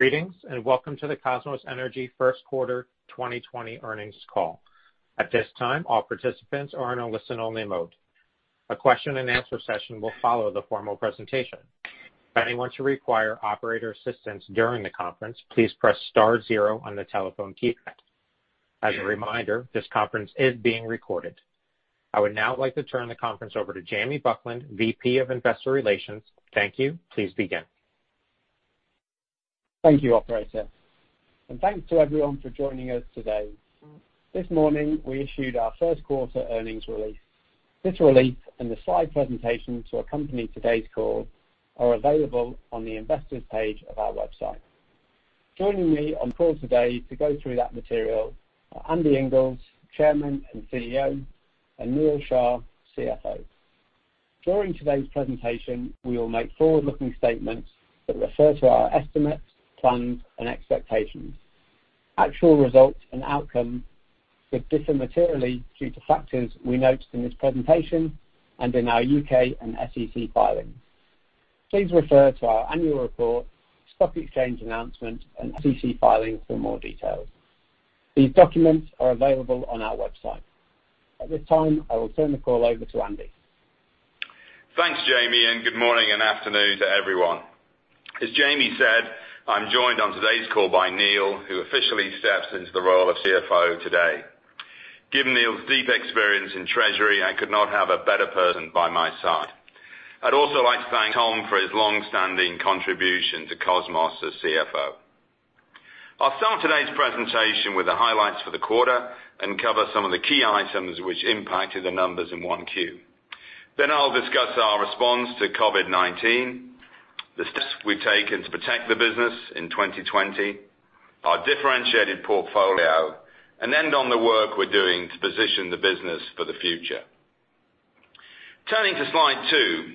Greetings, and welcome to the Kosmos Energy first quarter 2020 earnings call. At this time, all participants are in a listen-only mode. A question and answer session will follow the formal presentation. If anyone should require operator assistance during the conference, please press star zero on the telephone keypad. As a reminder, this conference is being recorded. I would now like to turn the conference over to Jamie Buckland, Vice President of Investor Relations. Thank you. Please begin. Thank you, operator, and thanks to everyone for joining us today. This morning, we issued our first quarter earnings release. This release and the slide presentation to accompany today's call are available on the investors page of our website. Joining me on the call today to go through that material are Andy Inglis, Chairman and CEO, and Neal Shah, CFO. During today's presentation, we will make forward-looking statements that refer to our estimates, plans, and expectations. Actual results and outcomes could differ materially due to factors we note in this presentation and in our U.K. and SEC filings. Please refer to our annual report, stock exchange announcement, and SEC filings for more details. These documents are available on our website. At this time, I will turn the call over to Andy. Thanks, Jamie, and good morning and afternoon to everyone. As Jamie said, I'm joined on today's call by Neal, who officially steps into the role of CFO today. Given Neal's deep experience in treasury, I could not have a better person by my side. I'd also like to thank Tom for his longstanding contribution to Kosmos as CFO. I'll start today's presentation with the highlights for the quarter and cover some of the key items which impacted the numbers in 1Q. Then I'll discuss our response to COVID-19, the steps we've taken to protect the business in 2020, our differentiated portfolio, and end on the work we're doing to position the business for the future. Turning to slide two,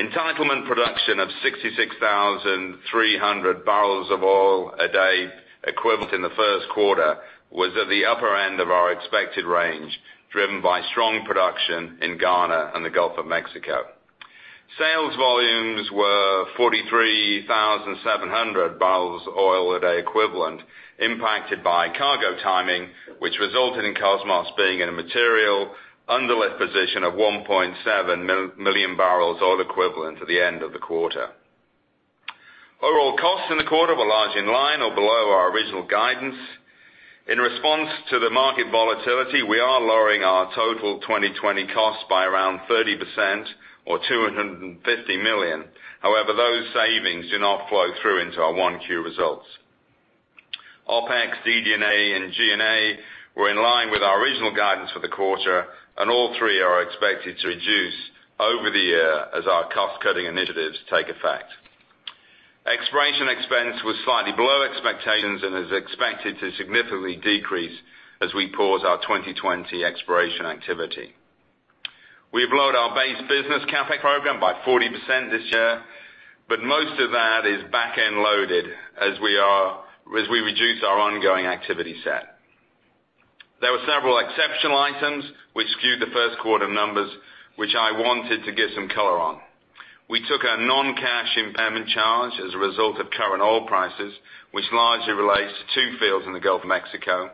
entitlement production of 66,300 barrels of oil a day equivalent in the first quarter was at the upper end of our expected range, driven by strong production in Ghana and the Gulf of Mexico. Sales volumes were 43,700 barrels of oil a day equivalent impacted by cargo timing, which resulted in Kosmos Energy being in a material underlift position of 1.7 million barrels oil equivalent at the end of the quarter. Overall costs in the quarter were largely in line or below our original guidance. In response to the market volatility, we are lowering our total 2020 costs by around 30% or $250 million. However, those savings do not flow through into our 1Q results. OpEx, DD&A, and G&A were in line with our original guidance for the quarter, and all three are expected to reduce over the year as our cost-cutting initiatives take effect. Exploration expense was slightly below expectations and is expected to significantly decrease as we pause our 2020 exploration activity. We've lowered our base business CapEx program by 40% this year, but most of that is back-end loaded as we reduce our ongoing activity set. There were several exceptional items which skewed the first quarter numbers, which I wanted to give some color on. We took a non-cash impairment charge as a result of current oil prices, which largely relates to two fields in the Gulf of Mexico,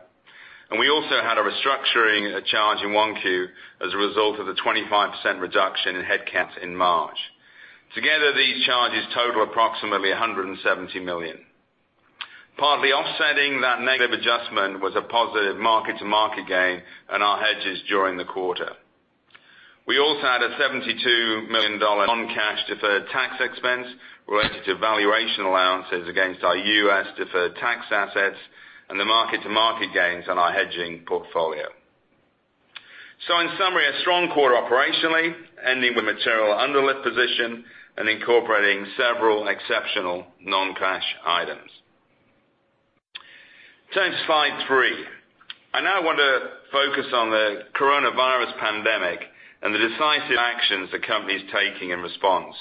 and we also had a restructuring charge in 1Q as a result of the 25% reduction in headcounts in March. Together, these charges total approximately $170 million. Partly offsetting that negative adjustment was a positive mark-to-market gain on our hedges during the quarter. We also had a $72 million non-cash deferred tax expense related to valuation allowances against our U.S. deferred tax assets and the mark-to-market gains on our hedging portfolio. In summary, a strong quarter operationally, ending with material underlift position and incorporating several exceptional non-cash items. Turning to slide three. I now want to focus on the coronavirus pandemic and the decisive actions the company is taking in response.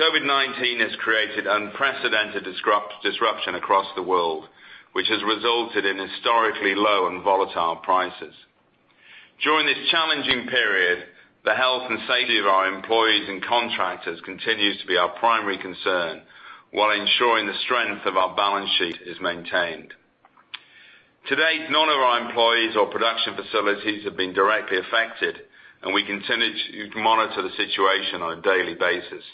COVID-19 has created unprecedented disruption across the world, which has resulted in historically low and volatile prices. During this challenging period, the health and safety of our employees and contractors continues to be our primary concern, while ensuring the strength of our balance sheet is maintained. To date, none of our employees or production facilities have been directly affected, and we continue to monitor the situation on a daily basis.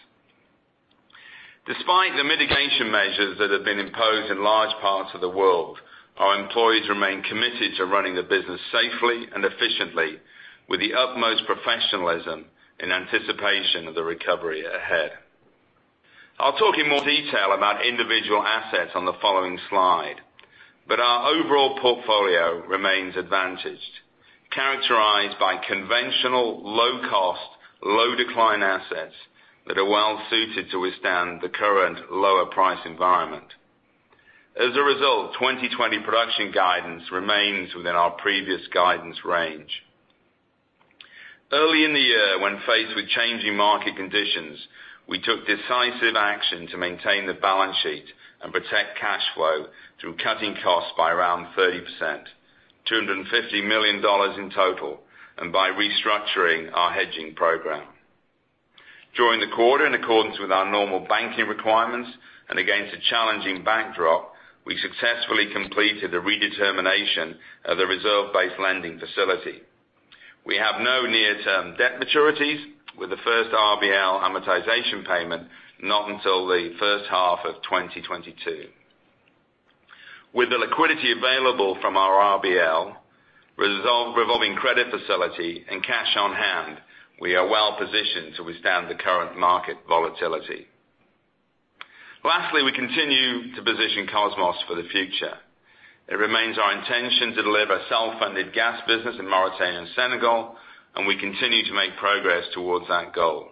Despite the mitigation measures that have been imposed in large parts of the world, our employees remain committed to running the business safely and efficiently with the utmost professionalism in anticipation of the recovery ahead. I'll talk in more detail about individual assets on the following slide, but our overall portfolio remains advantaged, characterized by conventional low cost, low decline assets that are well suited to withstand the current lower price environment. As a result, 2020 production guidance remains within our previous guidance range. Early in the year, when faced with changing market conditions, we took decisive action to maintain the balance sheet and protect cash flow through cutting costs by around 30%, $250 million in total, and by restructuring our hedging program. During the quarter, in accordance with our normal banking requirements and against a challenging backdrop, we successfully completed the redetermination of the reserve-based lending facility. We have no near-term debt maturities, with the first RBL amortization payment not until the first half of 2022. With the liquidity available from our RBL revolving credit facility and cash on hand, we are well positioned to withstand the current market volatility. Lastly, we continue to position Kosmos for the future. It remains our intention to deliver self-funded gas business in Mauritania and Senegal, and we continue to make progress towards that goal.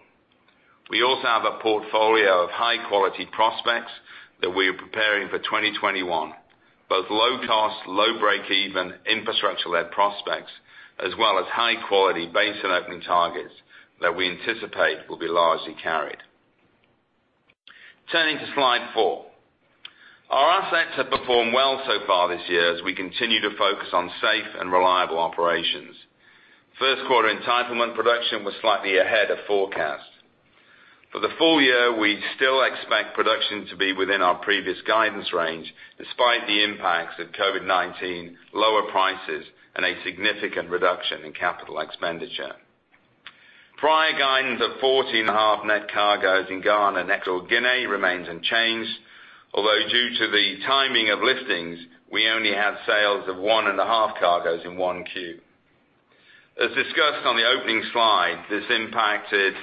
We also have a portfolio of high-quality prospects that we are preparing for 2021, both low cost, low break-even infrastructure-led prospects, as well as high-quality basin opening targets that we anticipate will be largely carried. Turning to slide four. Our assets have performed well so far this year as we continue to focus on safe and reliable operations. First quarter entitlement production was slightly ahead of forecast. For the full year, we still expect production to be within our previous guidance range, despite the impacts of COVID-19, lower prices, and a significant reduction in capital expenditure. Prior guidance of 14 net cargoes in Ghana and Equatorial Guinea remains unchanged, although due to the timing of liftings, we only have sales of one and a half cargoes in 1Q. As discussed on the opening slide, this impacted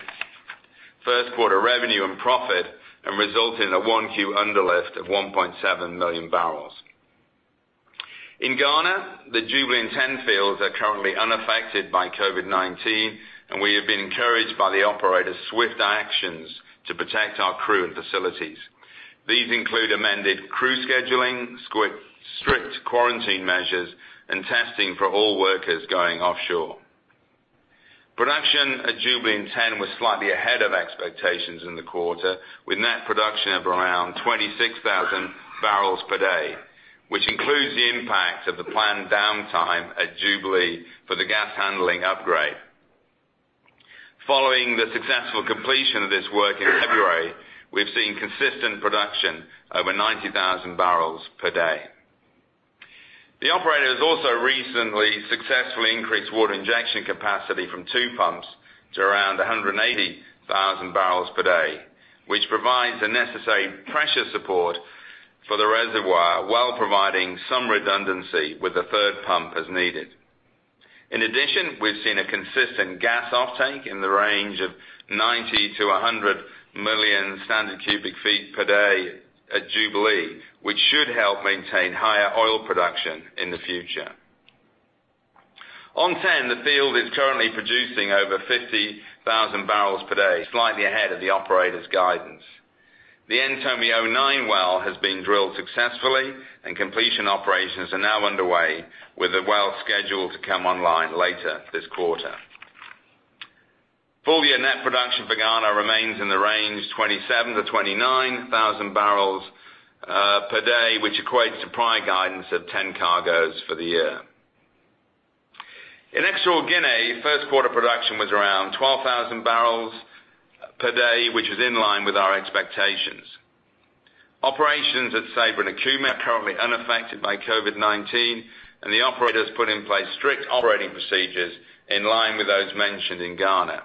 first quarter revenue and profit and resulted in a 1Q underlift of 1.7 million barrels. In Ghana, the Jubilee and TEN fields are currently unaffected by COVID-19, and we have been encouraged by the operator's swift actions to protect our crew and facilities. These include amended crew scheduling, strict quarantine measures, and testing for all workers going offshore. Production at Jubilee and TEN was slightly ahead of expectations in the quarter, with net production of around 26,000 barrels per day, which includes the impact of the planned downtime at Jubilee for the gas handling upgrade. Following the successful completion of this work in February, we've seen consistent production over 90,000 barrels per day. The operator has also recently successfully increased water injection capacity from two pumps to around 180,000 barrels per day, which provides the necessary pressure support for the reservoir while providing some redundancy with the third pump as needed. In addition, we've seen a consistent gas offtake in the range of 90 to 100 million standard cubic feet per day at Jubilee, which should help maintain higher oil production in the future. On TEN, the field is currently producing over 50,000 barrels per day, slightly ahead of the operator's guidance. The Ntomme-09 well has been drilled successfully, and completion operations are now underway, with the well scheduled to come online later this quarter. Full year net production for Ghana remains in the range 27,000 to 29,000 barrels per day, which equates to prior guidance of 10 cargoes for the year. In Equatorial Guinea, first quarter production was around 12,000 barrels per day, which is in line with our expectations. Operations at Ceiba and Okume are currently unaffected by COVID-19, and the operator has put in place strict operating procedures in line with those mentioned in Ghana.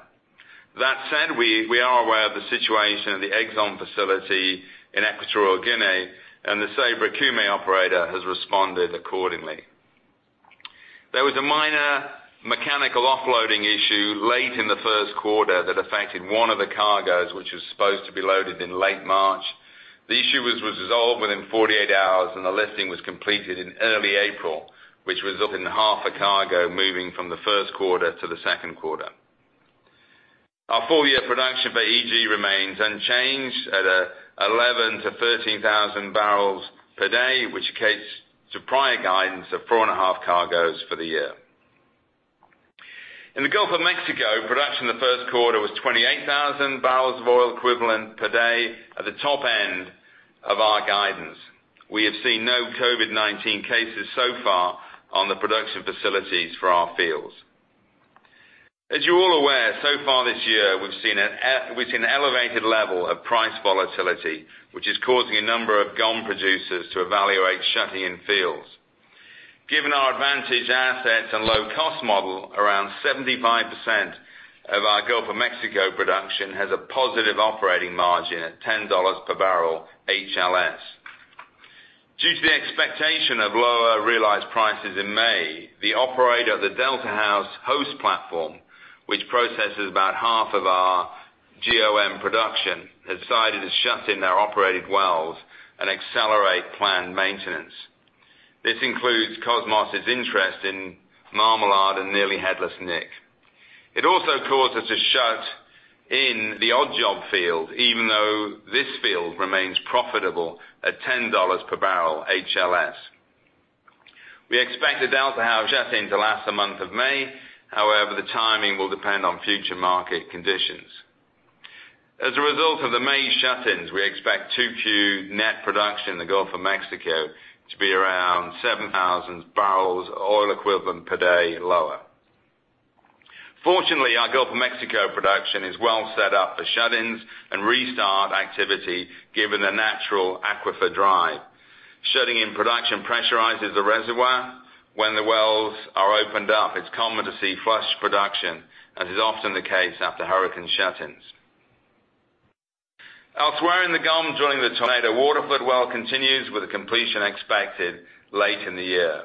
That said, we are aware of the situation at the Exxon facility in Equatorial Guinea, and the Ceiba Okume operator has responded accordingly. There was a minor mechanical offloading issue late in the first quarter that affected one of the cargoes, which was supposed to be loaded in late March. The issue was resolved within 48 hours, and the lifting was completed in early April, which resulted in half a cargo moving from the first quarter to the second quarter. Our full year production for EG remains unchanged at 11,000 to 13,000 barrels per day, which equates to prior guidance of four and a half cargoes for the year. In the Gulf of Mexico, production in the first quarter was 28,000 barrels of oil equivalent per day at the top end of our guidance. We have seen no COVID-19 cases so far on the production facilities for our fields. As you're all aware, so far this year, we've seen an elevated level of price volatility, which is causing a number of GOM producers to evaluate shutting in fields. Given our advantaged assets and low-cost model, around 75% of our Gulf of Mexico production has a positive operating margin at $10 per barrel HLS. Due to the expectation of lower realized prices in May, the operator of the Delta House host platform, which processes about half of our GOM production, has decided to shut in their operated wells and accelerate planned maintenance. This includes Kosmos' interest in Marmalade and Nearly Headless Nick. It also caused us to shut in the Odd Job field, even though this field remains profitable at $10 per barrel HLS. We expect the Delta House shut-in to last the month of May. The timing will depend on future market conditions. As a result of the May shut-ins, we expect 2Q net production in the Gulf of Mexico to be around 7,000 barrels of oil equivalent per day lower. Fortunately, our Gulf of Mexico production is well set up for shut-ins and restart activity, given the natural aquifer drive. Shutting in production pressurizes the reservoir. When the wells are opened up, it's common to see flush production, as is often the case after hurricane shut-ins. Elsewhere in the GOM, drilling the Tornado waterflood well continues with the completion expected late in the year.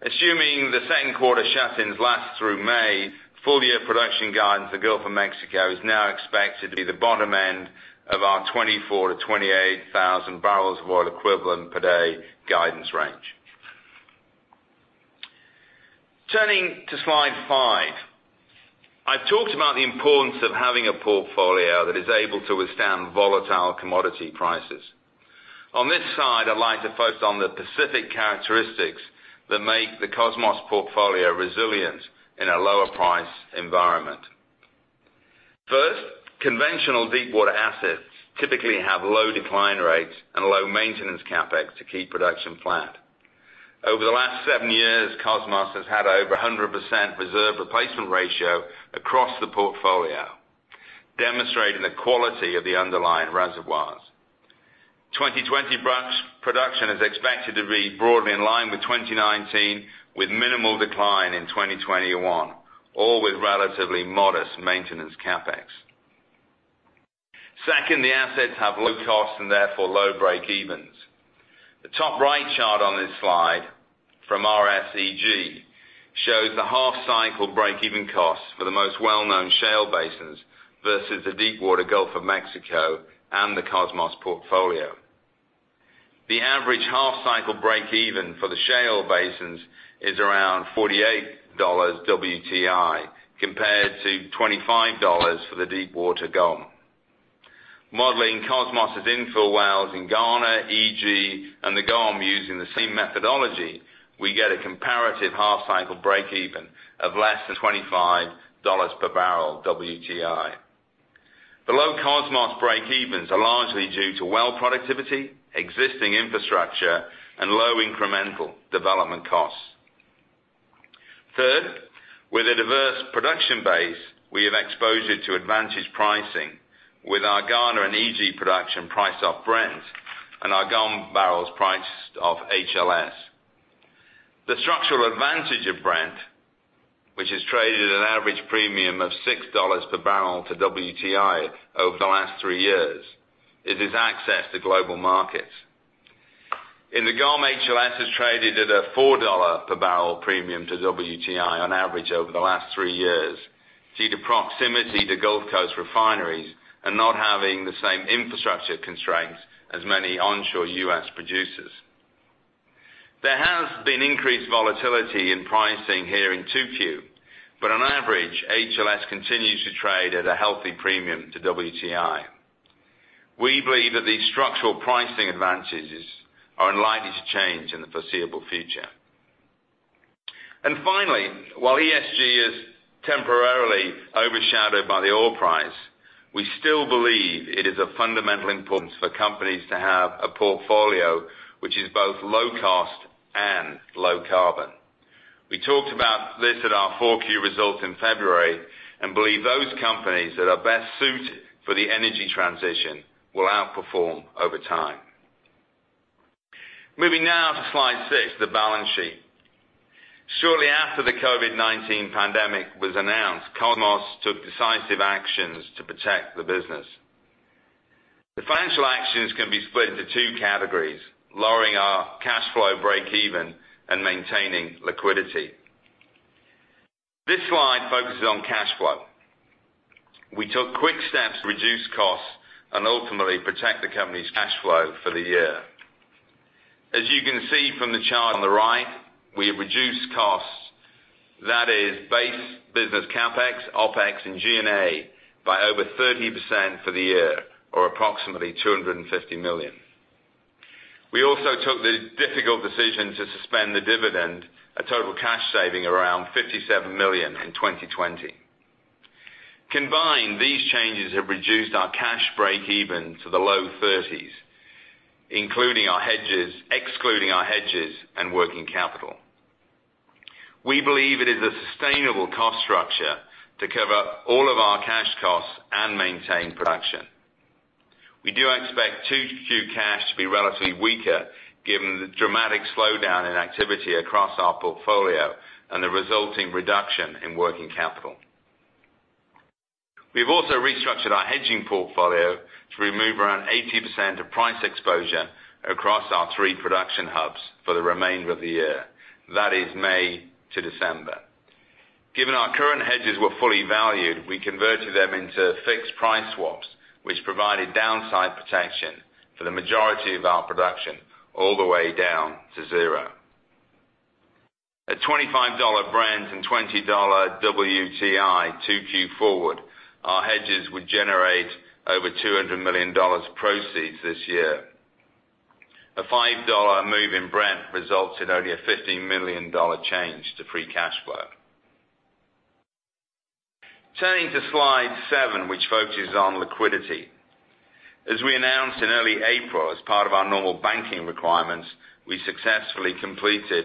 Assuming the second quarter shut-ins last through May, full year production guidance for Gulf of Mexico is now expected to be the bottom end of our 24,000 to 28,000 barrels of oil equivalent per day guidance range. Turning to slide five. I've talked about the importance of having a portfolio that is able to withstand volatile commodity prices. On this slide, I'd like to focus on the specific characteristics that make the Kosmos portfolio resilient in a lower price environment. First, conventional deepwater assets typically have low decline rates and low maintenance CapEx to keep production flat. Over the last seven years, Kosmos has had over 100% reserve replacement ratio across the portfolio, demonstrating the quality of the underlying reservoirs. 2020 production is expected to be broadly in line with 2019, with minimal decline in 2021, all with relatively modest maintenance CapEx. Second, the assets have low costs and therefore low breakevens. The top right chart on this slide from RSEG shows the half-cycle breakeven costs for the most well-known shale basins versus the deepwater Gulf of Mexico and the Kosmos portfolio. The average half-cycle breakeven for the shale basins is around $48 WTI compared to $25 for the deepwater GOM. Modeling Kosmos' infill wells in Ghana, EG, and the GOM using the same methodology, we get a comparative half-cycle breakeven of less than $25 per barrel WTI. The low Kosmos breakevens are largely due to well productivity, existing infrastructure, and low incremental development costs. Third, with a diverse production base, we have exposure to advantage pricing with our Ghana and EG production priced off Brent and our GOM barrels priced off HLS. The structural advantage of Brent, which has traded at an average premium of $6 per barrel to WTI over the last three years, is its access to global markets. In the GOM, HLS has traded at a $4 per barrel premium to WTI on average over the last three years due to proximity to Gulf Coast refineries and not having the same infrastructure constraints as many onshore U.S. producers. There has been increased volatility in pricing here in 2Q, but on average, HLS continues to trade at a healthy premium to WTI. We believe that these structural pricing advantages are unlikely to change in the foreseeable future. Finally, while ESG is temporarily overshadowed by the oil price, we still believe it is of fundamental importance for companies to have a portfolio which is both low cost and low carbon. We talked about this at our 4Q results in February and believe those companies that are best suited for the energy transition will outperform over time. Moving now to slide six, the balance sheet. Shortly after the COVID-19 pandemic was announced, Kosmos took decisive actions to protect the business. The financial actions can be split into 2 categories: lowering our cash flow breakeven and maintaining liquidity. This slide focuses on cash flow. We took quick steps to reduce costs and ultimately protect the company's cash flow for the year. As you can see from the chart on the right, we have reduced costs, that is base business CapEx, OpEx, and G&A by over 30% for the year, or approximately $250 million. We also took the difficult decision to suspend the dividend, a total cash saving around $57 million in 2020. Combined, these changes have reduced our cash breakeven to the low 30s, excluding our hedges and working capital. We believe it is a sustainable cost structure to cover all of our cash costs and maintain production. We do expect 2Q cash to be relatively weaker given the dramatic slowdown in activity across our portfolio and the resulting reduction in working capital. We've also restructured our hedging portfolio to remove around 80% of price exposure across our three production hubs for the remainder of the year. That is May to December. Given our current hedges were fully valued, we converted them into fixed price swaps, which provided downside protection for the majority of our production all the way down to zero. At $25 Brent and $20 WTI 2Q forward, our hedges would generate over $200 million proceeds this year. A $5 move in Brent results in only a $15 million change to free cash flow. Turning to slide seven, which focuses on liquidity. As we announced in early April, as part of our normal banking requirements, we successfully completed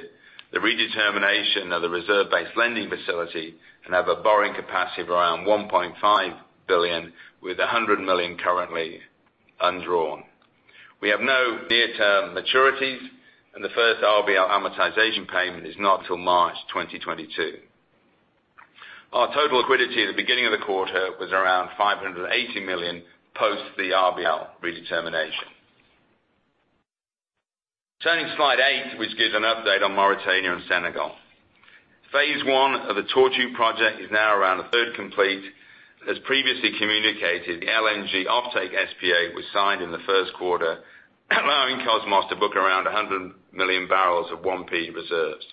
the redetermination of the reserve-based lending facility and have a borrowing capacity of around $1.5 billion, with $100 million currently undrawn. We have no near-term maturities, and the first RBL amortization payment is not till March 2022. Our total liquidity at the beginning of the quarter was around $580 million, post the RBL redetermination. Turning to slide eight, which gives an update on Mauritania and Senegal. Phase I of the Tortue project is now around a third complete. As previously communicated, the LNG offtake SPA was signed in the first quarter, allowing Kosmos to book around 100 million barrels of 1P reserves.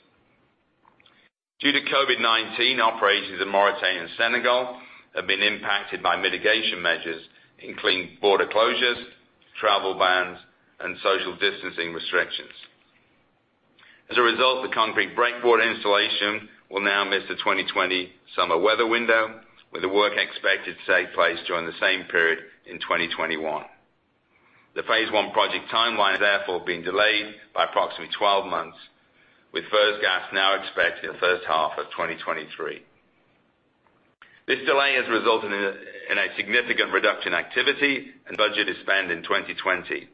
Due to COVID-19, operations in Mauritania and Senegal have been impacted by mitigation measures, including border closures, travel bans, and social distancing restrictions. As a result, the concrete breakwater installation will now miss the 2020 summer weather window, with the work expected to take place during the same period in 2021. The phase I project timeline has therefore been delayed by approximately 12 months, with first gas now expected in the first half of 2023. This delay has resulted in a significant reduction in activity and budget is spent in 2020.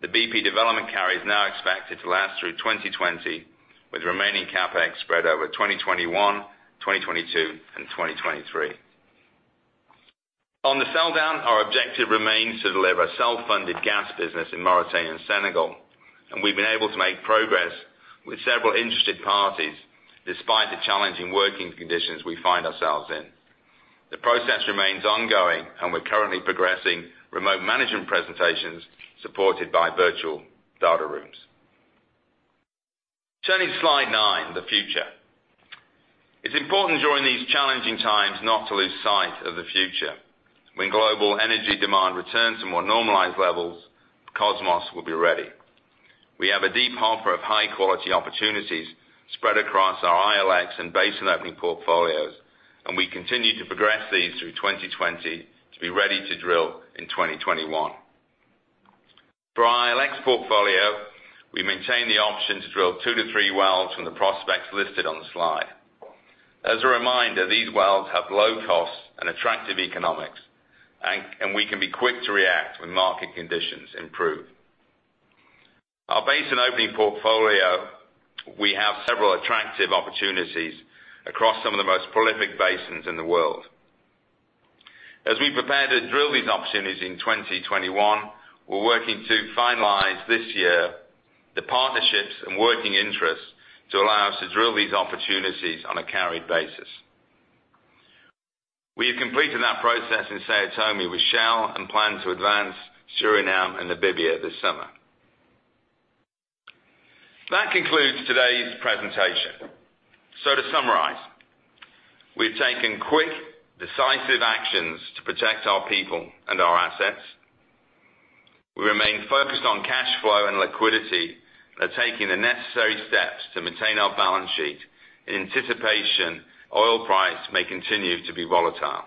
The BP development carry is now expected to last through 2020, with remaining CapEx spread over 2021, 2022, and 2023. On the sell-down, our objective remains to deliver self-funded gas business in Mauritania and Senegal, and we've been able to make progress with several interested parties, despite the challenging working conditions we find ourselves in. The process remains ongoing and we're currently progressing remote management presentations supported by virtual data rooms. Turning to slide nine, the future. It's important during these challenging times, not to lose sight of the future. When global energy demand returns to more normalized levels, Kosmos will be ready. We have a deep offer of high-quality opportunities spread across our ILX and basin opening portfolios, and we continue to progress these through 2020 to be ready to drill in 2021. For our ILX portfolio, we maintain the option to drill two to three wells from the prospects listed on the slide. As a reminder, these wells have low costs and attractive economics, we can be quick to react when market conditions improve. Our basin opening portfolio, we have several attractive opportunities across some of the most prolific basins in the world. As we prepare to drill these opportunities in 2021, we're working to finalize this year the partnerships and working interests to allow us to drill these opportunities on a carried basis. We have completed that process in São Tomé with Shell, plan to advance Suriname and Namibia this summer. That concludes today's presentation. To summarize, we've taken quick, decisive actions to protect our people and our assets. We remain focused on cash flow and liquidity and are taking the necessary steps to maintain our balance sheet in anticipation oil price may continue to be volatile.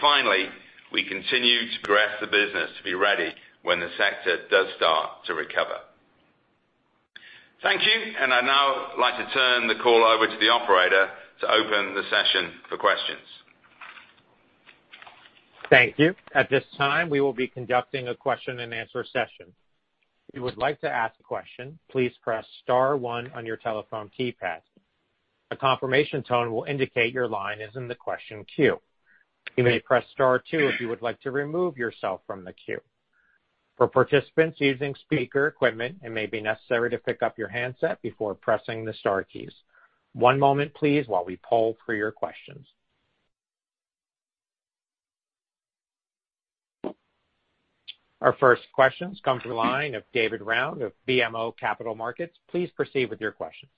Finally, we continue to progress the business to be ready when the sector does start to recover. Thank you, and I'd now like to turn the call over to the operator to open the session for questions. Thank you. At this time, we will be conducting a question and answer session. If you would like to ask a question, please press star one on your telephone keypad. A confirmation tone will indicate your line is in the question queue. You may press star two if you would like to remove yourself from the queue. For participants using speaker equipment, it may be necessary to pick up your handset before pressing the star keys. One moment, please, while we poll for your questions. Our first questions come from the line of David Round of BMO Capital Markets. Please proceed with your questions.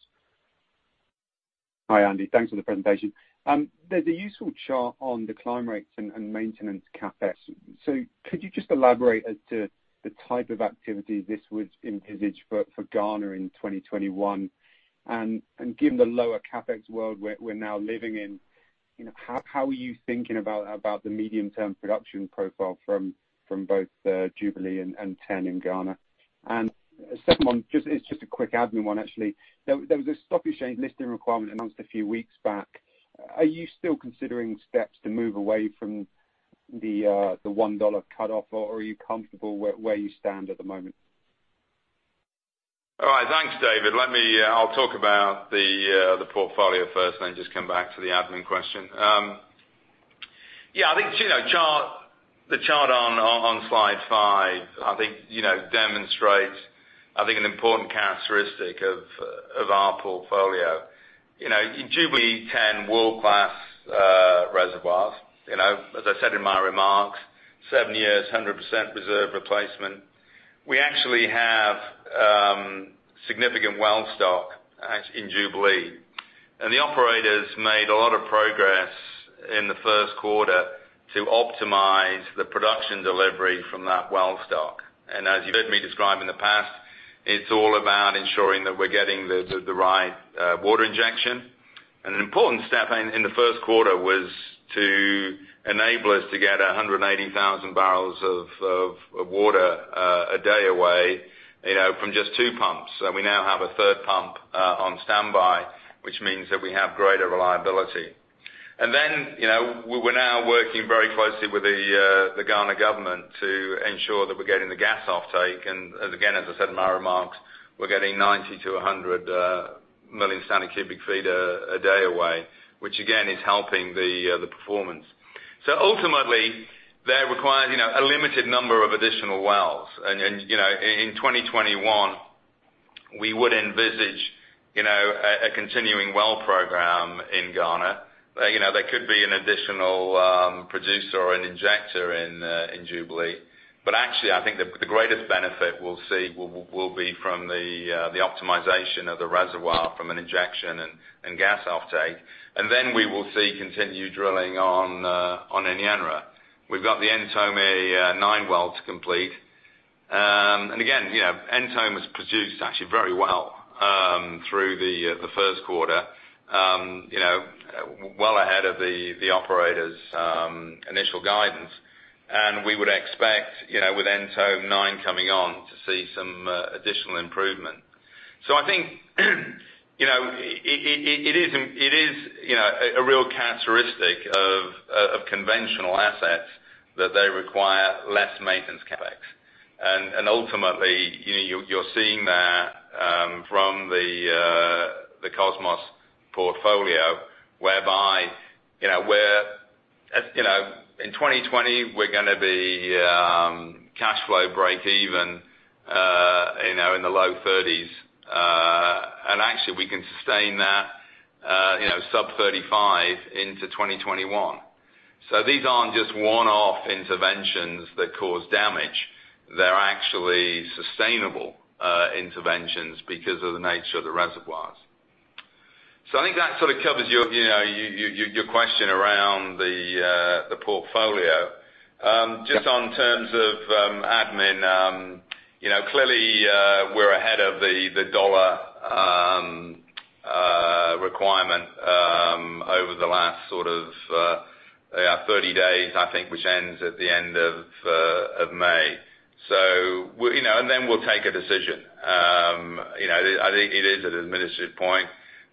Hi, Andy. Thanks for the presentation. There's a useful chart on decline rates and maintenance CapEx. Could you just elaborate as to the type of activity this would envisage for Ghana in 2021? Given the lower CapEx world we're now living in, how are you thinking about the medium-term production profile from both Jubilee and TEN in Ghana? The second one, it's just a quick admin one actually. There was a Stock Exchange listing requirement announced a few weeks back. Are you still considering steps to move away from the $1 cutoff, or are you comfortable where you stand at the moment? All right. Thanks, David. I'll talk about the portfolio first and then just come back to the admin question. Yeah, I think the chart on slide five, I think demonstrates an important characteristic of our portfolio. Jubilee, TEN, world-class reservoirs. As I said in my remarks, seven years, 100% reserve replacement. We actually have significant well stock in Jubilee. The operators made a lot of progress in the first quarter to optimize the production delivery from that well stock. As you've heard me describe in the past. It's all about ensuring that we're getting the right water injection. An important step in the first quarter was to enable us to get 180,000 barrels of water a day away from just two pumps. We now have a third pump on standby, which means that we have greater reliability. We were now working very closely with the Ghana government to ensure that we're getting the gas offtake. As I said in my remarks, we're getting 90-100 million standard cubic feet a day away, which again, is helping the performance. That requires a limited number of additional wells. In 2021, we would envisage a continuing well program in Ghana. There could be an additional producer or an injector in Jubilee. I think the greatest benefit we'll see will be from the optimization of the reservoir from an injection and gas offtake. We will see continued drilling on Enyenra. We've got the Ntomme-09 well to complete. Ntomme has produced actually very well through the first quarter, well ahead of the operator's initial guidance. We would expect, with Ntomme-09 coming on, to see some additional improvement. I think it is a real characteristic of conventional assets that they require less maintenance CapEx. Ultimately, you're seeing that from the Kosmos portfolio whereby in 2020, we're going to be cash flow breakeven in the low 30s. Actually, we can sustain that sub 35 into 2021. These aren't just one-off interventions that cause damage. They're actually sustainable interventions because of the nature of the reservoirs. I think that sort of covers your question around the portfolio. Just on terms of admin, clearly, we're ahead of the dollar requirement over the last sort of 30 days, I think, which ends at the end of May. Then we'll take a decision. I think it is at an administrative point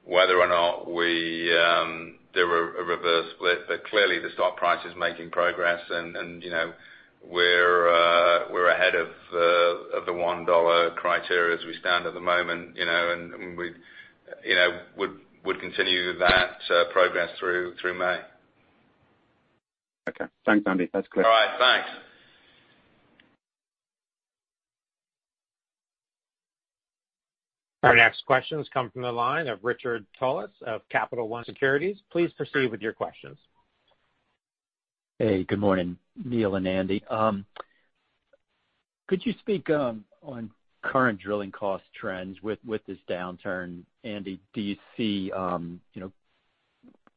whether or not there were a reverse split. Clearly the stock price is making progress. We're ahead of the $1 criteria as we stand at the moment. We would continue that progress through May. Okay. Thanks, Andy. That's clear. All right. Thanks. Our next questions come from the line of Richard Tullis of Capital One Securities. Please proceed with your questions. Hey, good morning, Neal and Andy. Could you speak on current drilling cost trends with this downturn? Andy, do you see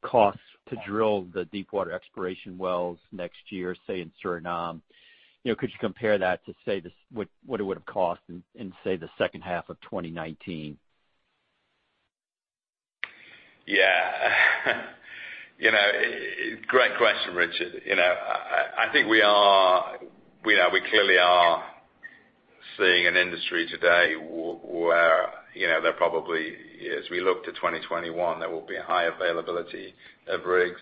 costs to drill the deepwater exploration wells next year, say, in Suriname? Could you compare that to, say, what it would have cost in, say, the second half of 2019? Yeah. Great question, Richard. I think we clearly are seeing an industry today where there probably, as we look to 2021, there will be a high availability of rigs.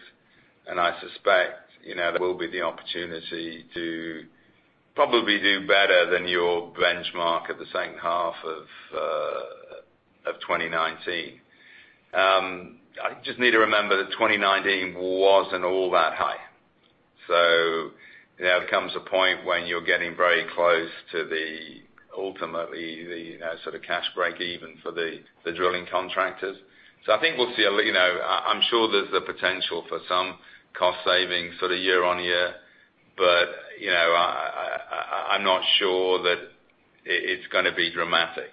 I suspect there will be the opportunity to probably do better than your benchmark at the same half of 2019. Just need to remember that 2019 wasn't all that high. There comes a point when you're getting very close to ultimately the sort of cash break even for the drilling contractors. I think I'm sure there's the potential for some cost savings sort of year-on-year, but I'm not sure that it's going to be dramatic.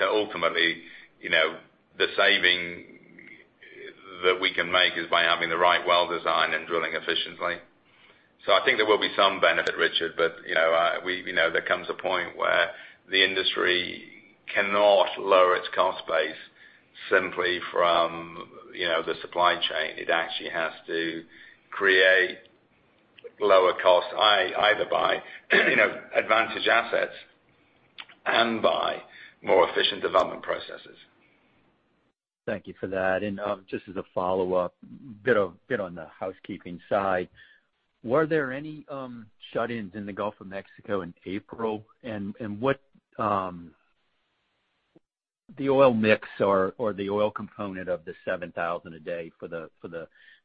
Ultimately, the saving that we can make is by having the right well design and drilling efficiently. I think there will be some benefit, Richard. There comes a point where the industry cannot lower its cost base simply from the supply chain. It actually has to create lower cost, either by advantaged assets and by more efficient development processes. Thank you for that. Just as a follow-up, bit on the housekeeping side, were there any shut-ins in the Gulf of Mexico in April? What the oil mix or the oil component of the 7,000 a day for the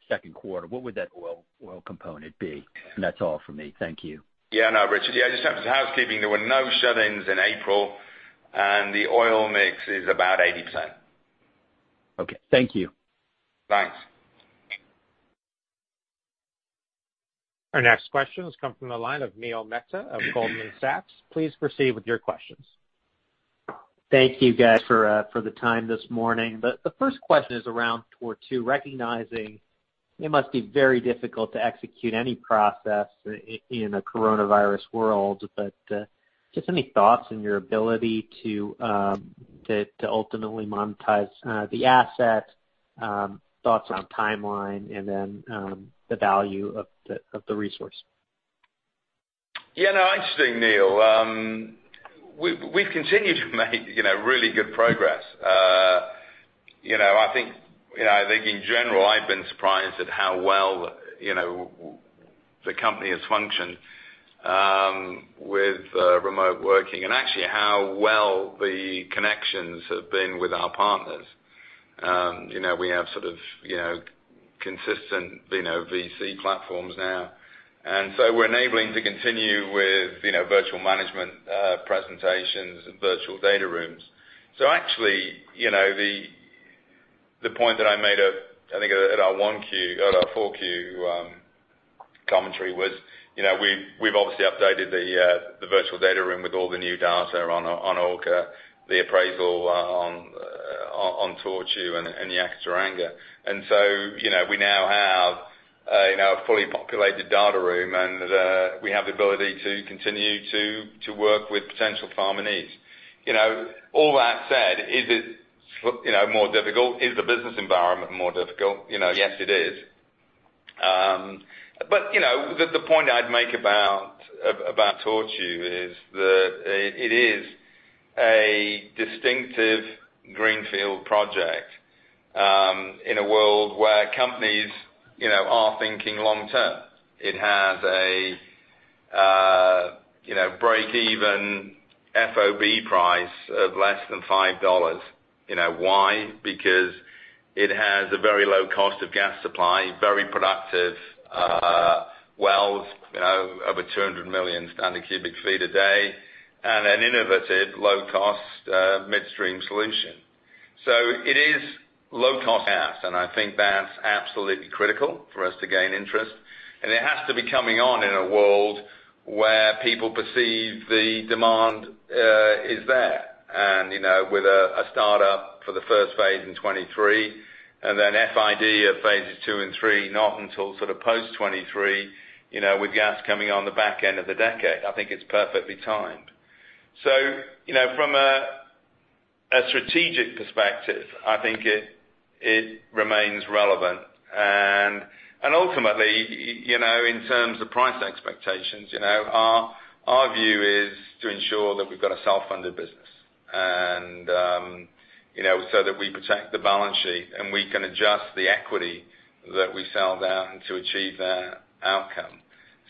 second quarter, what would that oil component be? That's all for me. Thank you. Yeah, no, Richard. Yeah, just in terms of housekeeping, there were no shut-ins in April. The oil mix is about 80%. Okay. Thank you. Thanks. Our next question comes from the line of Neil Mehta of Goldman Sachs. Please proceed with your questions. Thank you guys for the time this morning. The first question is around Tortue, recognizing it must be very difficult to execute any process in a coronavirus world. Just any thoughts on your ability to ultimately monetize the asset, thoughts on timeline, and then the value of the resource? Yeah. No, interesting, Neil. We've continued to make really good progress. I think in general, I've been surprised at how well the company has functioned with remote working and actually how well the connections have been with our partners. We have sort of consistent VC platforms now. We're enabling to continue with virtual management presentations and virtual data rooms. Actually, the point that I made, I think, at our full Q commentary was, we've obviously updated the virtual data room with all the new data on Orca, the appraisal on Tortue and the Yakaar. We now have a fully populated data room, and we have the ability to continue to work with potential farminees. All that said, is it more difficult? Is the business environment more difficult? Yes, it is. The point I'd make about Tortue is that it is a distinctive greenfield project in a world where companies are thinking long-term. It has a breakeven FOB price of less than $5. Why? Because it has a very low cost of gas supply, very productive wells, over 200 million standard cubic feet a day, and an innovative low-cost midstream solution. It is low-cost gas, and I think that's absolutely critical for us to gain interest. It has to be coming on in a world where people perceive the demand is there. With a startup for the first phase in 2023, and then FID of phases II and III, not until sort of post 2023, with gas coming on the back end of the decade. I think it's perfectly timed. From a strategic perspective, I think it remains relevant. Ultimately, in terms of price expectations, our view is to ensure that we've got a self-funded business, and so that we protect the balance sheet, and we can adjust the equity that we sell down to achieve that outcome.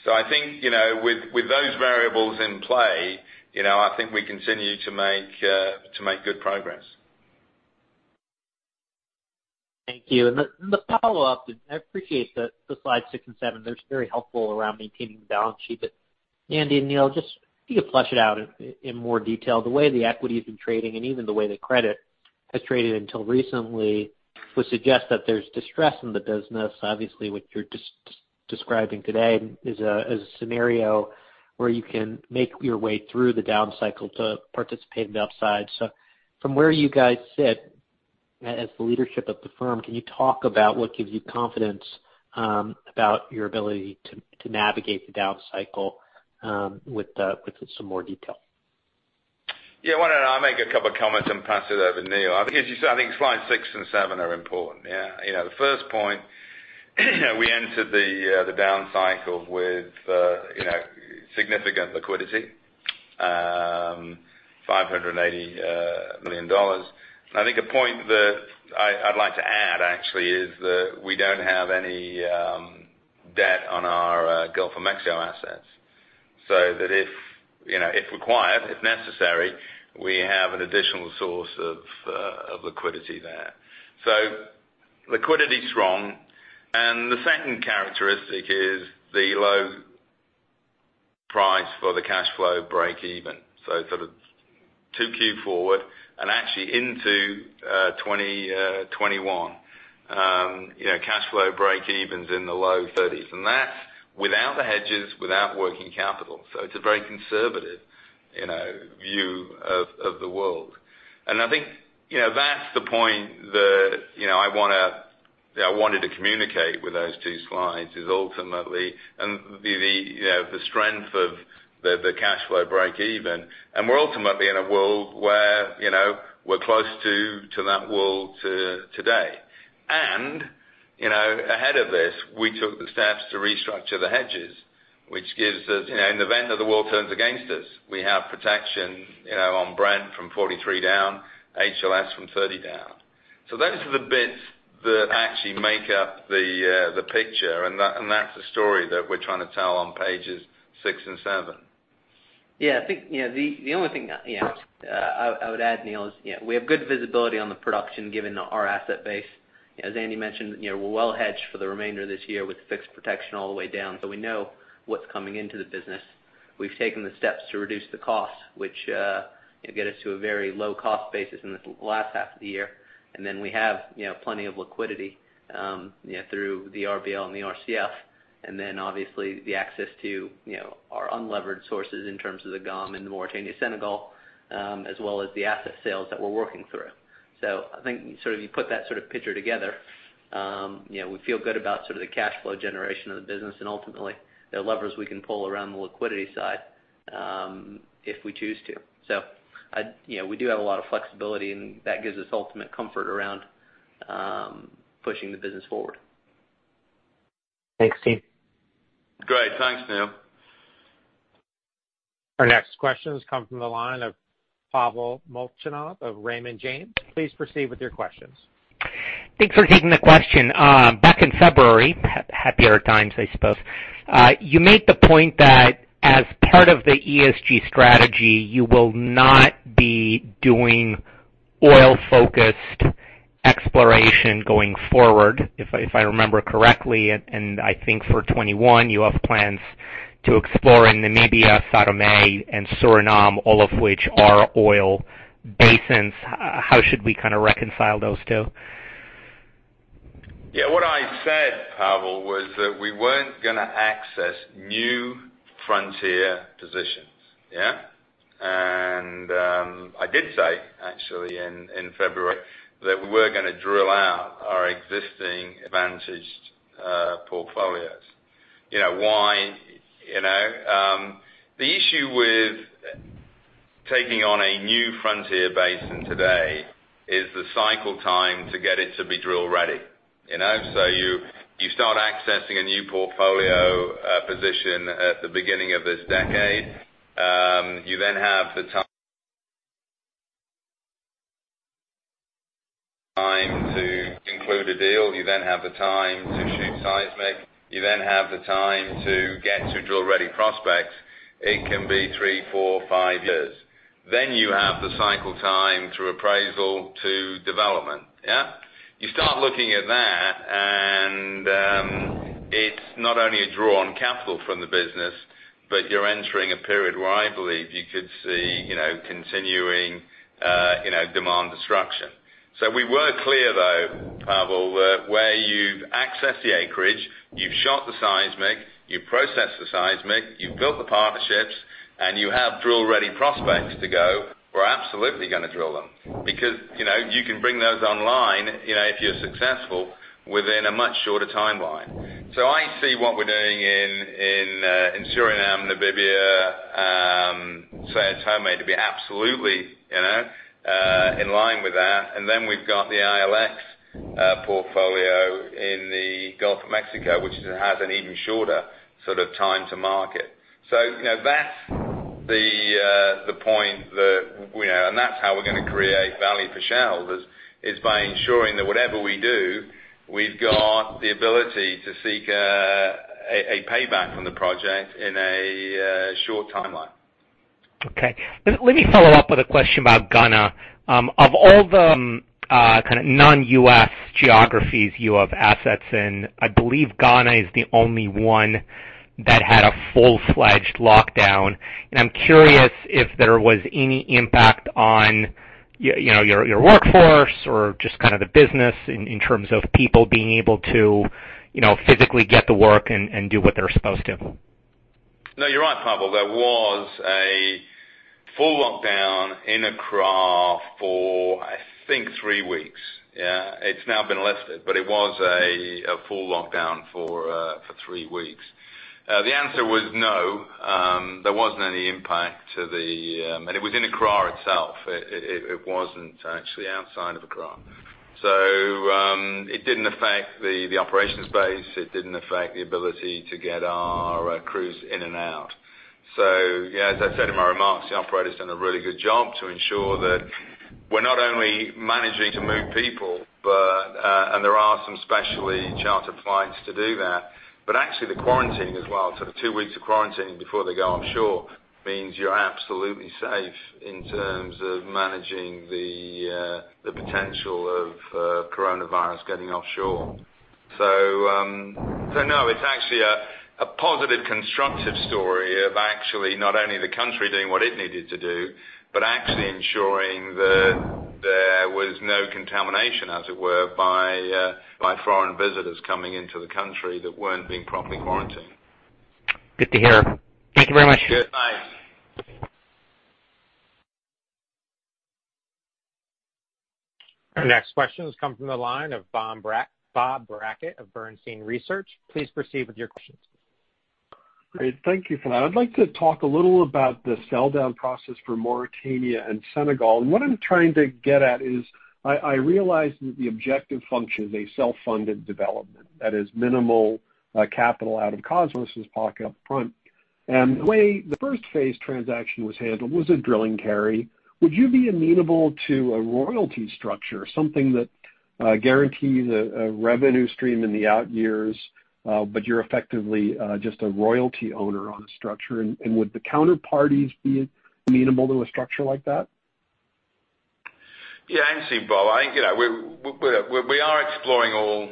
I think with those variables in play, I think we continue to make good progress. Thank you. The follow-up, I appreciate the slides six and seven. They're very helpful around maintaining the balance sheet. Andy and Neal, just if you could flesh it out in more detail, the way the equity's been trading and even the way the credit has traded until recently would suggest that there's distress in the business. Obviously, what you're describing today is a scenario where you can make your way through the down cycle to participate in the upside. From where you guys sit as the leadership of the firm, can you talk about what gives you confidence about your ability to navigate the down cycle with some more detail? Yeah. Why don't I make a couple of comments and pass it over to Neal? I think as you said, I think slides six and seven are important, yeah. The first point, we entered the down cycle with significant liquidity, $580 million. I think a point that I'd like to add, actually, is that we don't have any debt on our Gulf of Mexico assets. That if required, if necessary, we have an additional source of liquidity there. Liquidity's strong, and the second characteristic is the low price for the cash flow breakeven. Sort of 2Q forward and actually into 2021. Cash flow breakeven's in the low 30s, and that's without the hedges, without working capital. It's a very conservative view of the world. I think that's the point that I wanted to communicate with those two slides is ultimately the strength of the cash flow breakeven. We're ultimately in a world where we're close to that world today. Ahead of this, we took the steps to restructure the hedges, which gives us, in the event that the world turns against us, we have protection on Brent from 43 down, HLS from 30 down. Those are the bits that actually make up the picture, and that's the story that we're trying to tell on pages six and seven. I think the only thing I would add, Neil, is we have good visibility on the production given our asset base. As Andy mentioned, we're well hedged for the remainder of this year with fixed protection all the way down. We know what's coming into the business. We've taken the steps to reduce the cost, which get us to a very low-cost basis in the last half of the year. We have plenty of liquidity through the RBL and the RCF. Obviously the access to our unlevered sources in terms of the GOM and the Mauritania Senegal, as well as the asset sales that we're working through. I think you put that picture together, we feel good about the cash flow generation of the business and ultimately, the levers we can pull around the liquidity side, if we choose to. We do have a lot of flexibility, and that gives us ultimate comfort around pushing the business forward. Thanks, team. Great. Thanks, Neil. Our next questions come from the line of Pavel Molchanov of Raymond James. Please proceed with your questions. Thanks for taking the question. Back in February, happier times, I suppose. You made the point that as part of the ESG strategy, you will not be doing oil-focused exploration going forward, if I remember correctly. I think for 2021, you have plans to explore in Namibia, São Tomé, and Suriname, all of which are oil basins. How should we reconcile those two? Yeah. What I said, Pavel, was that we weren't going to access new frontier positions. Yeah? I did say, actually, in February, that we were going to drill out our existing advantaged portfolios. Why? The issue with taking on a new frontier basin today is the cycle time to get it to be drill ready. You start accessing a new portfolio position at the beginning of this decade. You have the time to conclude a deal. You have the time to shoot seismic. You have the time to get to drill-ready prospects. It can be three, four, five years. You have the cycle time through appraisal to development. Yeah? You start looking at that, and it's not only a draw on capital from the business, but you're entering a period where I believe you could see continuing demand destruction. We were clear, though, Pavel, that where you've accessed the acreage, you've shot the seismic, you've processed the seismic, you've built the partnerships, and you have drill-ready prospects to go, we're absolutely going to drill them. Because you can bring those online, if you're successful, within a much shorter timeline. I see what we're doing in Suriname, Namibia, São Tomé to be absolutely in line with that. We've got the ILX portfolio in the Gulf of Mexico, which has an even shorter time to market. That's how we're going to create value for shareholders, is by ensuring that whatever we do, we've got the ability to seek a payback from the project in a short timeline. Okay. Let me follow up with a question about Ghana. Of all the non-U.S. geographies you have assets in, I believe Ghana is the only one that had a full-fledged lockdown. I'm curious if there was any impact on your workforce or just the business in terms of people being able to physically get to work and do what they're supposed to. No, you're right, Pavel. There was a full lockdown in Accra for, I think, three weeks. Yeah. It's now been lifted, it was a full lockdown for three weeks. The answer was no, there wasn't any impact. It was in Accra itself. It wasn't actually outside of Accra. It didn't affect the operations base. It didn't affect the ability to get our crews in and out. Yeah, as I said in my remarks, the operator's done a really good job to ensure that we're not only managing to move people, and there are some specially chartered flights to do that, but actually the quarantine as well, two weeks of quarantining before they go offshore means you're absolutely safe in terms of managing the potential of coronavirus getting offshore. No, it's actually a positive, constructive story of actually not only the country doing what it needed to do, but actually ensuring that there was no contamination, as it were, by foreign visitors coming into the country that weren't being properly quarantined. Good to hear. Thank you very much. Good. Bye. Our next question comes from the line of Bob Brackett of Bernstein Research. Please proceed with your questions. Great. Thank you for that. I'd like to talk a little about the sell-down process for Mauritania and Senegal. What I'm trying to get at is I realize that the objective function is a self-funded development that is minimal capital out of Kosmos' pocket up front. The way the first phase transaction was handled was a drilling carry. Would you be amenable to a royalty structure, something that guarantees a revenue stream in the out years, but you're effectively just a royalty owner on the structure? Would the counterparties be amenable to a structure like that? Bob, we are exploring all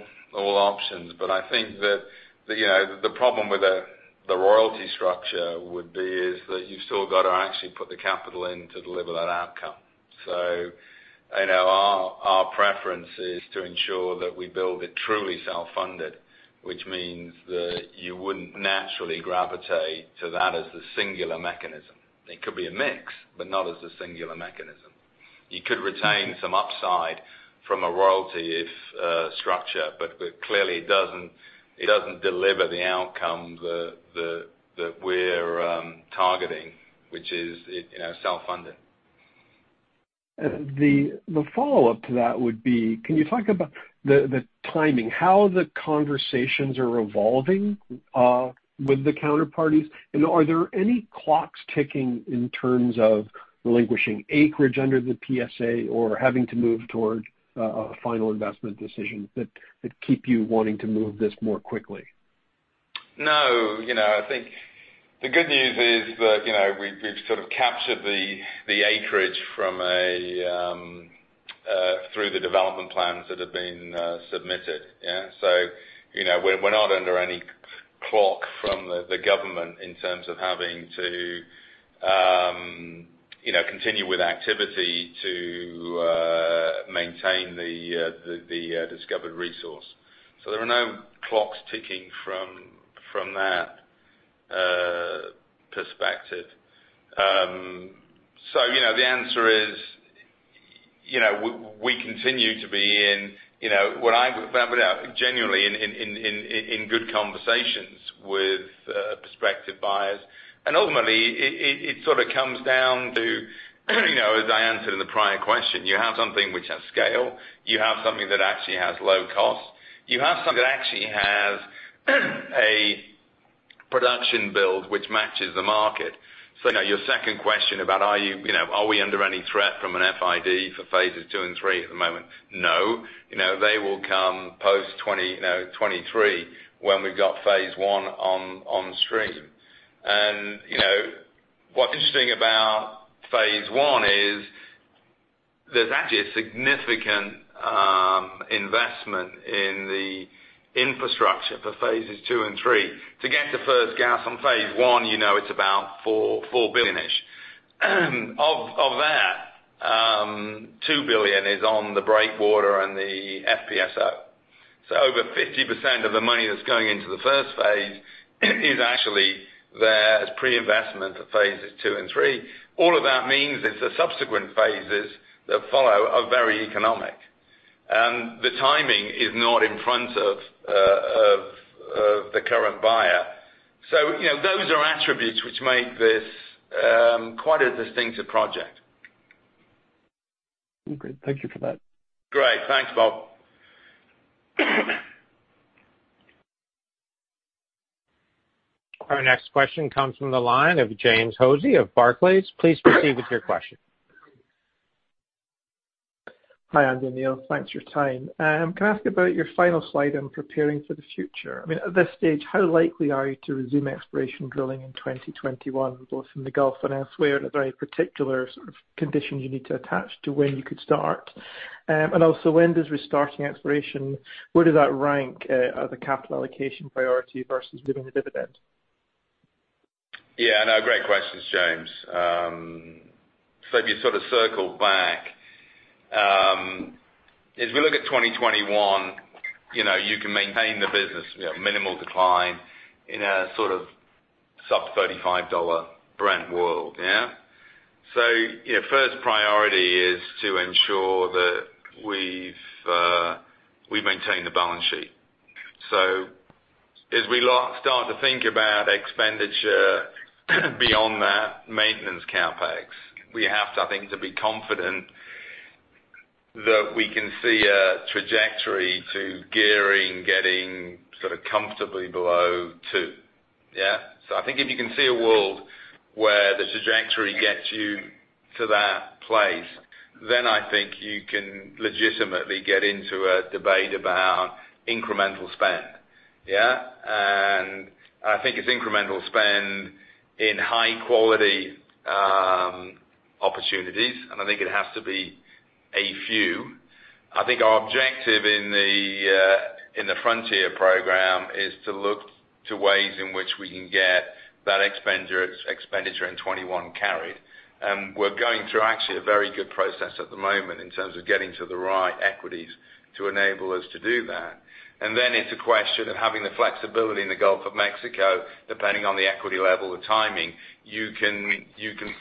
options. I think that the problem with the royalty structure would be is that you've still got to actually put the capital in to deliver that outcome. Our preference is to ensure that we build it truly self-funded, which means that you wouldn't naturally gravitate to that as the singular mechanism. It could be a mix, not as a singular mechanism. You could retain some upside from a royalty if structure. Clearly, it doesn't deliver the outcome that we're targeting, which is self-funded. The follow-up to that would be, can you talk about the timing, how the conversations are evolving with the counterparties, and are there any clocks ticking in terms of relinquishing acreage under the PSA or having to move towards a final investment decision that keep you wanting to move this more quickly? No. I think the good news is that we've sort of captured the acreage through the development plans that have been submitted. We're not under any clock from the government in terms of having to continue with activity to maintain the discovered resource. There are no clocks ticking from that perspective. The answer is, we continue to be in, what I would genuinely, in good conversations with prospective buyers. Ultimately, it sort of comes down to as I answered in the prior question, you have something which has scale, you have something that actually has low cost. You have something that actually has a production build which matches the market. Your second question about are we under any threat from an FID for phases II and III at the moment? No. They will come post 2023 when we've got phase I on stream. What's interesting about phase I is there's actually a significant investment in the infrastructure for phases II and III to get to first gas on phase I, it's about $4 billion-ish. Of that, $2 billion is on the breakwater and the FPSO. Over 50% of the money that's going into the first phase is actually there as pre-investment for phases II and III. All of that means is the subsequent phases that follow are very economic. The timing is not in front of the current buyer. Those are attributes which make this quite a distinctive project. Okay. Thank you for that. Great. Thanks, Bob. Our next question comes from the line of James Hosie of Barclays. Please proceed with your question. Hi, Andy and Neal. Thanks for your time. Can I ask about your final slide in preparing for the future? At this stage, how likely are you to resume exploration drilling in 2021, both in the Gulf and elsewhere? Are there any particular sort of conditions you need to attach to when you could start? When does restarting exploration, where does that rank as a capital allocation priority versus doing a dividend? I know. Great questions, James. If you sort of circle back, as we look at 2021, you can maintain the business at minimal decline in a sort of sub $35 Brent world, yeah? First priority is to ensure that we've maintained the balance sheet. As we start to think about expenditure beyond that maintenance CapEx, we have, I think, to be confident that we can see a trajectory to gearing, getting sort of comfortably below two. Yeah. I think if you can see a world where the trajectory gets you to that place, I think you can legitimately get into a debate about incremental spend. Yeah. I think it's incremental spend in high-quality opportunities, and I think it has to be a few. I think our objective in the frontier program is to look to ways in which we can get that expenditure in 2021 carried. We're going through actually a very good process at the moment in terms of getting to the right equities to enable us to do that. It's a question of having the flexibility in the Gulf of Mexico, depending on the equity level, the timing, you can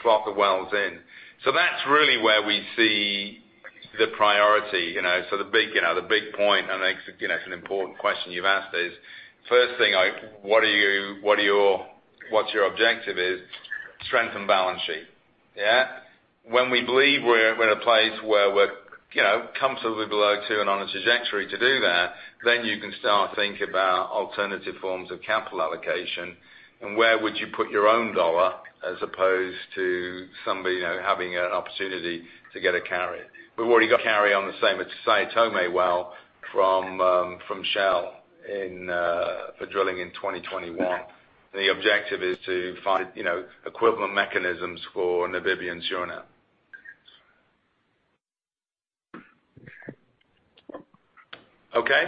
clock the wells in. That's really where we see the priority. The big point, and it's an important question you've asked is, first thing, what your objective is, strengthen balance sheet. Yeah. When we believe we're in a place where we're comfortably below two and on a trajectory to do that, then you can start think about alternative forms of capital allocation and where would you put your own dollar as opposed to somebody having an opportunity to get a carry. We've already got carry on the same at São Tomé well from Shell for drilling in 2021. The objective is to find equivalent mechanisms for Namibia and Suriname. Okay.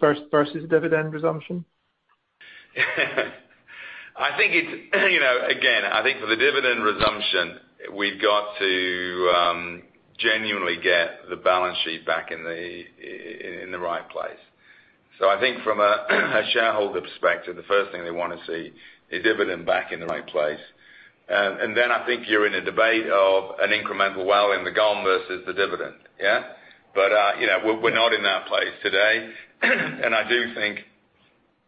Versus dividend resumption? I think for the dividend resumption, we've got to genuinely get the balance sheet back in the right place. I think from a shareholder perspective, the first thing they want to see is dividend back in the right place. I think you're in a debate of an incremental well in the GOM versus the dividend. Yeah? We're not in that place today. I do think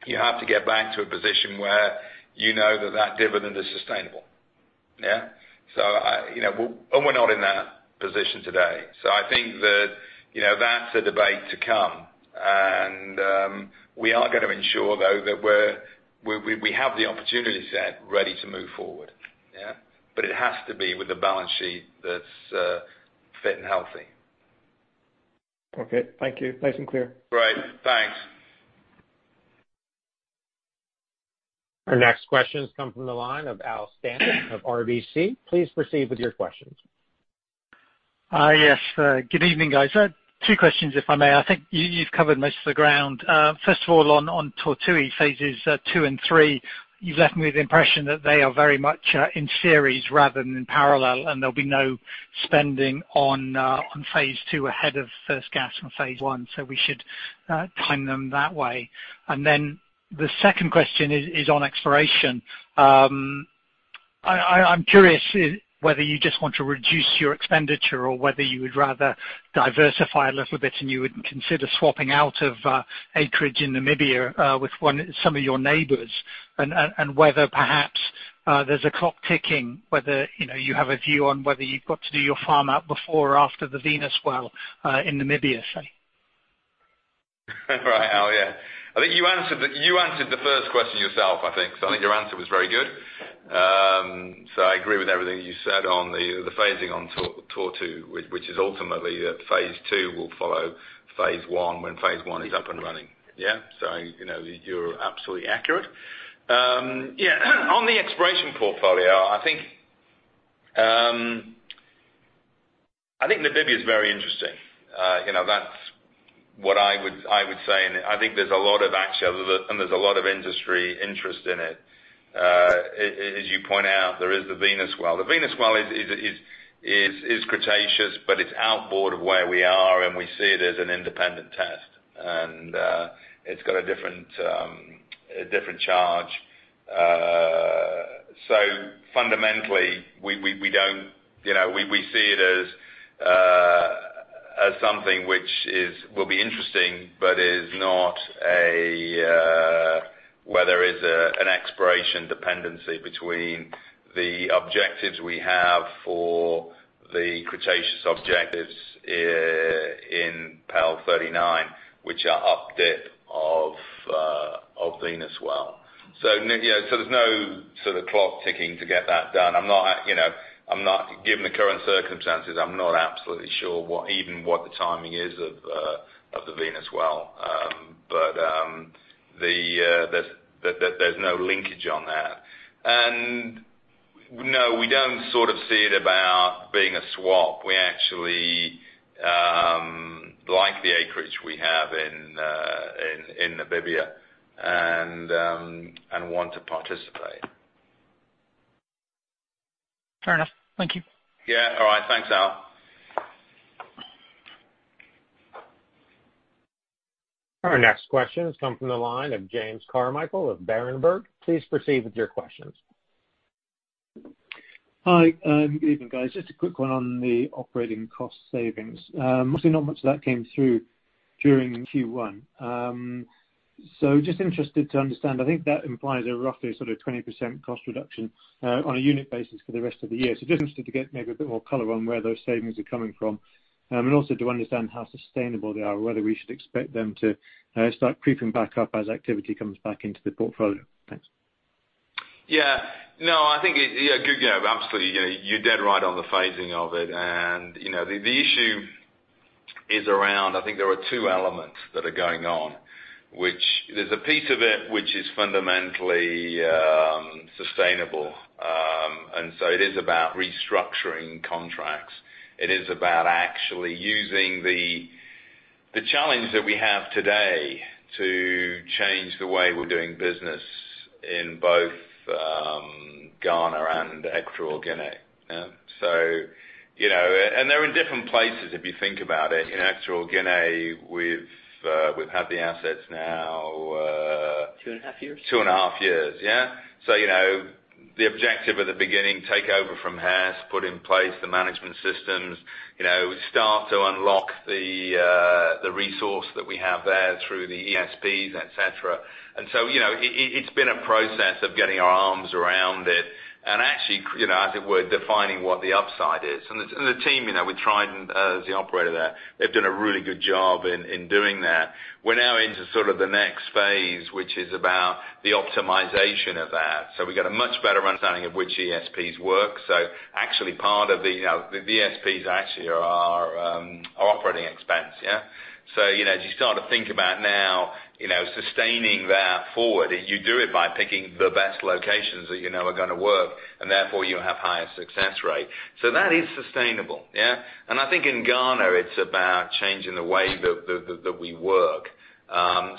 you have to get back to a position where you know that that dividend is sustainable. Yeah? We're not in that position today. I think that's a debate to come. We are going to ensure, though, that we have the opportunity set ready to move forward. Yeah? It has to be with a balance sheet that's fit and healthy. Okay. Thank you. Nice and clear. Great. Thanks. Our next questions come from the line of Al Stanton of RBC. Please proceed with your questions. Yes. Good evening, guys. Two questions, if I may. I think you've covered most of the ground. First of all, on Tortue phases II and III, you've left me with the impression that they are very much in series rather than in parallel, and there'll be no spending on phase II ahead of first gas on phase I. We should time them that way. The second question is on exploration. I'm curious whether you just want to reduce your expenditure or whether you would rather diversify a little bit, and you would consider swapping out of acreage in Namibia with some of your neighbors, and whether perhaps there's a clock ticking, whether you have a view on whether you've got to do your farm out before or after the Venus well in Namibia, say. Right. Al, yeah. I think you answered the first question yourself, I think. I think your answer was very good. I agree with everything you said on the phasing on Tortue, which is ultimately that phase II will follow phase I when phase I is up and running. Yeah. You're absolutely accurate. On the exploration portfolio, I think Namibia is very interesting. That's what I would say. I think there's a lot of action, and there's a lot of industry interest in it. As you point out, there is the Venus well. The Venus well is Cretaceous, but it's outboard of where we are, and we see it as an independent test. It's got a different charge. Fundamentally, we see it as something which will be interesting, but is not where there is an exploration dependency between the objectives we have for the Cretaceous objectives in PEL 39, which are up dip of Venus well. There's no sort of clock ticking to get that done. Given the current circumstances, I'm not absolutely sure even what the timing is of the Venus well. There's no linkage on that. No, we don't sort of see it about being a swap. We actually like the acreage we have in Namibia and want to participate. Fair enough. Thank you. Yeah. All right. Thanks, Al. Our next question has come from the line of James Carmichael of Berenberg. Please proceed with your questions. Hi. Good evening, guys. Just a quick one on the operating cost savings. Obviously, not much of that came through during Q1. Just interested to understand, I think that implies a roughly sort of 20% cost reduction on a unit basis for the rest of the year. Just interested to get maybe a bit more color on where those savings are coming from. Also to understand how sustainable they are or whether we should expect them to start creeping back up as activity comes back into the portfolio. Thanks. Yeah. Absolutely. You're dead right on the phasing of it. The issue is around, I think there are two elements that are going on. There's a piece of it which is fundamentally sustainable. It is about restructuring contracts. It is about actually using the challenge that we have today to change the way we're doing business in both Ghana and Equatorial Guinea. Yeah. They're in different places, if you think about it. In Equatorial Guinea, we've had the assets now. Two and a half years. Two and a half years. Yeah. The objective at the beginning, take over from Hess, put in place the management systems. Start to unlock the resource that we have there through the ESPs, et cetera. It's been a process of getting our arms around it and actually, as it were, defining what the upside is. The team with Trident, as the operator there, they've done a really good job in doing that. We're now into sort of the next phase, which is about the optimization of that. We've got a much better understanding of which ESPs work. Actually, part of the ESPs actually are our operating expense, yeah? As you start to think about now sustaining that forward, you do it by picking the best locations that you know are going to work, and therefore you have higher success rate. That is sustainable. Yeah. I think in Ghana it's about changing the way that we work.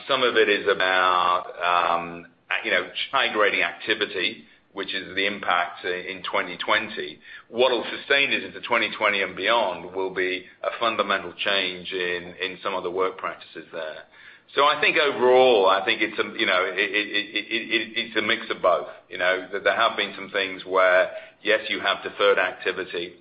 Some of it is about high-grading activity, which is the impact in 2020. What will sustain us into 2020 and beyond will be a fundamental change in some of the work practices there. I think overall, I think it's a mix of both. There have been some things where, yes, you have deferred activity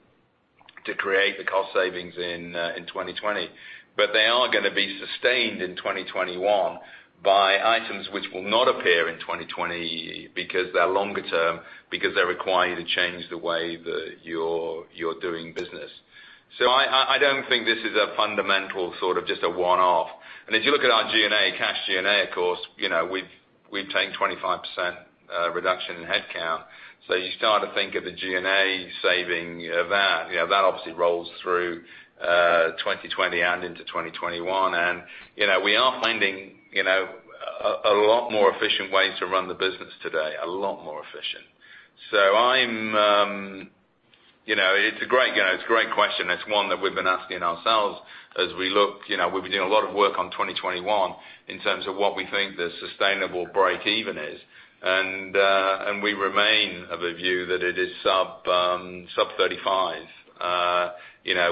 to create the cost savings in 2020, but they are going to be sustained in 2021 by items which will not appear in 2020 because they're longer term, because they require you to change the way that you're doing business. I don't think this is a fundamental sort of just a one-off. If you look at our G&A, cash G&A, of course, we've taken 25% reduction in head count. You start to think of the G&A saving, that obviously rolls through 2020 and into 2021. We are finding a lot more efficient ways to run the business today, a lot more efficient. It's a great question. It's one that we've been asking ourselves as we look. We've been doing a lot of work on 2021 in terms of what we think the sustainable breakeven is. We remain of the view that it is sub $35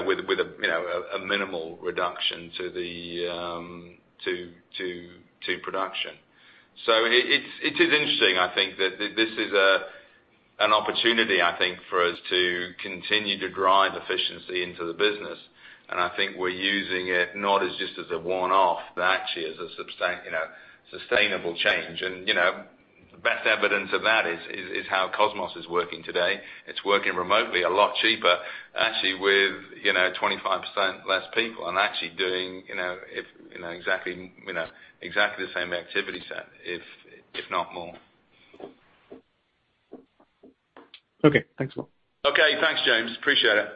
with a minimal reduction to production. It is interesting. I think that this is an opportunity for us to continue to drive efficiency into the business, and I think we're using it not as just as a one-off, but actually as a sustainable change. Best evidence of that is how Kosmos is working today. It's working remotely, a lot cheaper, actually, with 25% less people and actually doing exactly the same activity set, if not more. Okay. Thanks a lot. Okay. Thanks, James. Appreciate it.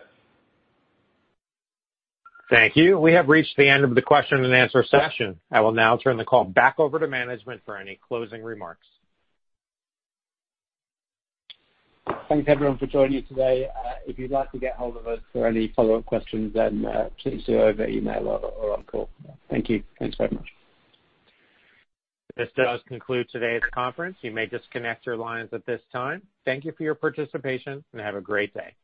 Thank you. We have reached the end of the question and answer session. I will now turn the call back over to management for any closing remarks. Thanks, everyone, for joining today. If you'd like to get hold of us for any follow-up questions, please do over email or on call. Thank you. Thanks very much. This does conclude today's conference. You may disconnect your lines at this time. Thank you for your participation, and have a great day.